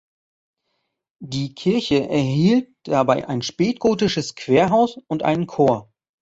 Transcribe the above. Die Kirche erhielt dabei einen spätgotisches Querhaus und einen Chor.